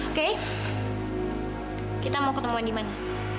oke kita mau ketemuan dimana